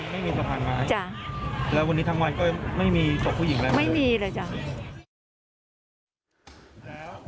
ไม่มีสะพานไม้จ้ะแล้ววันนี้ทั้งวันก็ไม่มีศพผู้หญิงแล้วไม่มีเลยจ้ะ